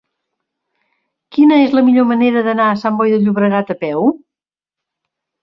Quina és la millor manera d'anar a Sant Boi de Llobregat a peu?